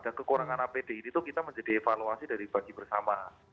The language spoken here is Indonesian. dan kekurangan apd itu kita menjadi evaluasi dari bagi bersama